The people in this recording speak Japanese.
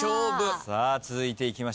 さあ続いていきましょう。